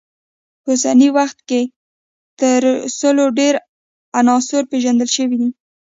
په اوسني وخت کې تر سلو ډیر عناصر پیژندل شوي دي.